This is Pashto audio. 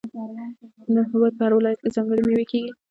د هیواد په هر ولایت کې ځانګړې میوې کیږي.